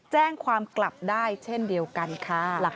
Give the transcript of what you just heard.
แจ้งความกลับได้เช่นเดียวกันค่ะ